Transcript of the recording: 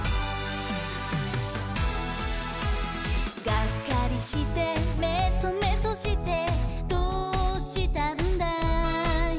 「がっかりしてめそめそしてどうしたんだい？」